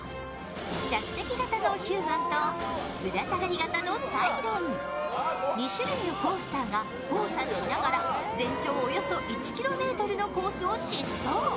着席型のヒューマンとぶらさがり型のサイロン２種類のコースターが交差しながら、全長およそ１ｋｍのコースを疾走。